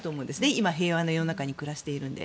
今、平和な世の中に暮らしているので。